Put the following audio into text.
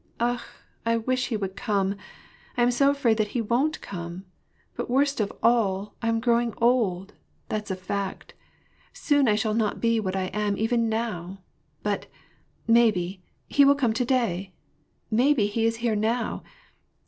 " Akh ! I wish he would come ! I am so afraid that he won't come ! But, worst of all, I'm growing old ! that's a fact ! Soon I shall not be what I am even now ! But, maybe, he will come to day. Maybe, he is here now.